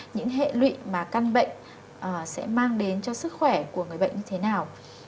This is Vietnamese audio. những hệ lụy mà căn bệnh sẽ mang đến cho sức khỏe của người bệnh như thế nào